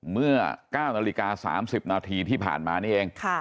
เมื่อ๙นาฬิกา๓๐นาทีที่ผ่านมานี่เอง